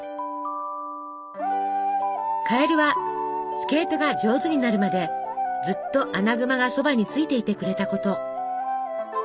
カエルはスケートが上手になるまでずっとアナグマがそばについていてくれたこと。